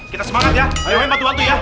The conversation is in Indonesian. kita semangat ya